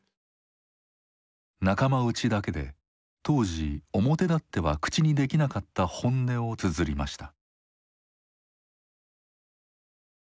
仲間内だけで当時表だっては口にできなかった本音をつづりました。